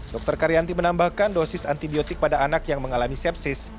dr karyanti menambahkan dosis antibiotik pada anak yang mengalami sepsis